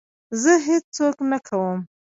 زه هېڅ څوک نه کوم.